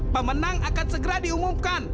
pemenang akan segera diumumkan